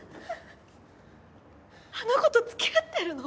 あの子と付き合ってるの？